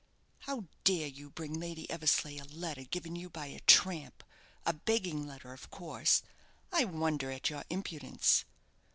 '" "How dare you bring Lady Eversleigh a letter given you by a tramp a begging letter, of course? I wonder at your impudence."